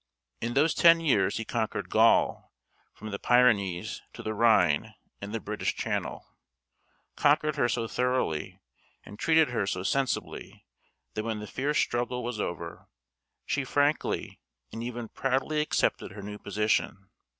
In those ten years he conquered Gaul, from the Pyrenees to the Rhine and the British Channel; conquered her so thoroughly, and treated her so sensibly, that when the fierce struggle was over, she frankly and even proudly accepted her new position.